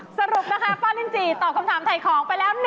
สรุปนะคะป้าลินจีตอบคำถามถ่ายของไปแล้ว